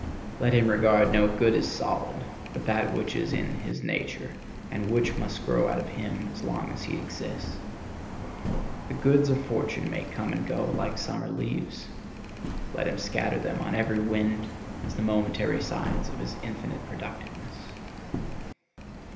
Let him regard no good as solid but that which is in his nature and which must grow out of him as long as he exists. The goods of fortune may come and go like summer leaves; let him scatter them on every wind as the momentary signs of his infinite productiveness.